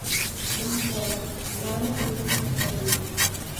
Muxtor, Davr mening taqdirimda